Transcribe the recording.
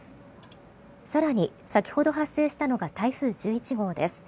更に、先ほど発生したのが台風１１号です。